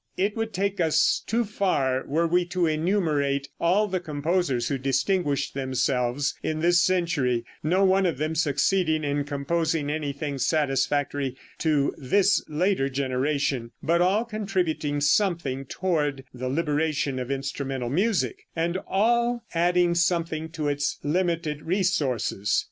It would take us too far were we to enumerate all the composers who distinguished themselves in this century, no one of them succeeding in composing anything satisfactory to this later generation, but all contributing something toward the liberation of instrumental music, and all adding something to its too limited resources.